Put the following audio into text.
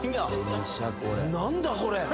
何だこれ！？